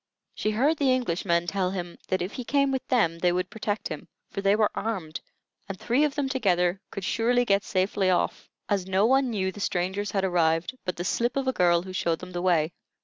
She heard the Englishmen tell him that if he came with them they would protect him; for they were armed, and three of them together could surely get safely off, as no one knew the strangers had arrived but the slip of a girl who showed them the way.